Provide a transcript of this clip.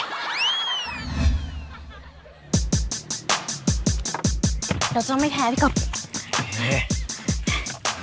เดี๋ยวจะไม่แท้พี่ก๊อฟ